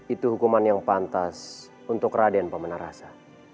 itu hukuman yang pantas untuk raden paman arasa